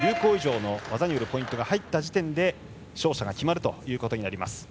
ここからは有効以上の技によるポイントが入った時点で勝者が決まることになります。